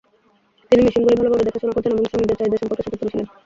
তিনি মেশিনগুলি ভালভাবে দেখাশোনা করতেন এবং শ্রমিকদের চাহিদা সম্পর্কে সচেতন ছিলেন।